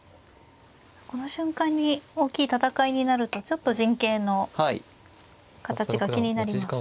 この瞬間に大きい戦いになるとちょっと陣形の形が気になります。